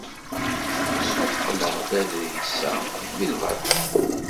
Ssuqqleɣ-d aḍris-a deg lbaṭel.